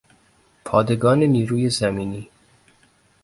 پادگان نیروی زمینی